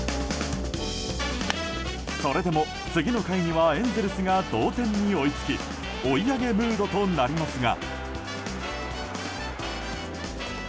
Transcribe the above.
それでも次の回にはエンゼルスが同点に追いつき追い上げムードとなりますが。